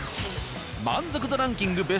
満足度ランキング